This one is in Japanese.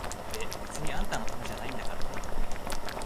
べ、別にあんたのためじゃないんだからね！